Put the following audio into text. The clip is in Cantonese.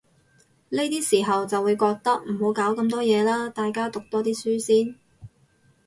呢啲時候就會覺得，唔好搞咁多嘢喇，大家讀多啲書先